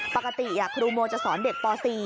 ปกติครูโมจะสอนเด็กป๔